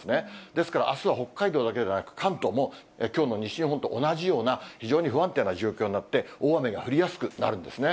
ですからあすは北海道だけではなく、関東もきょうの西日本と同じような非常に不安定な状況になって、大雨が降りやすくなるんですね。